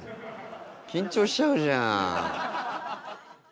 緊張しちゃうじゃん。